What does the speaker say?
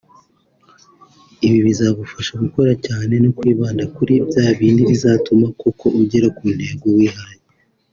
Ibi bizagufasha gukora cyane no kwibanda kuri bya bindi bizatuma koko ugera ku ntego wihaye